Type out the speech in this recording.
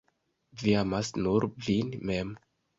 Vi amas nur vin mem.